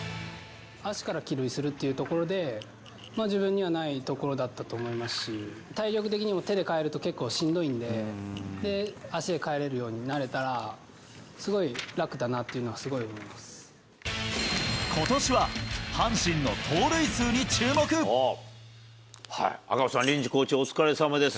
足から帰塁するっていうところで、自分にはないところだったと思いますし、体力的にも手で帰ると結構しんどいんで、足で帰れるようになれたら、すごい楽だなっていうのはすごいことしは、赤星さん、臨時コーチお疲れさまです。